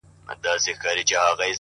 هم داسي ستا دا گل ورين مخ!